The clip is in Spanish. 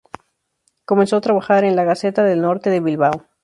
Comenzó a trabajar en "La Gaceta del Norte" de Bilbao.